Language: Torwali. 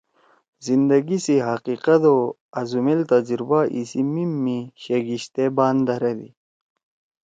زندگی سی حقیقت او آزُومیل تجربہ ایِسی میِم می شیگیِشتے بان دھرَدی